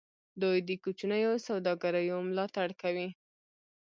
دوی د کوچنیو سوداګریو ملاتړ کوي.